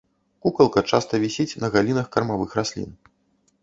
Кукалка часта вісіць на галінах кармавых раслін.